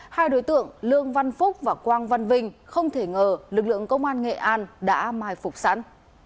hai đối tượng lương văn phúc và quang văn vinh không thể ngờ lực lượng công an nghệ an đã mai phục sẵn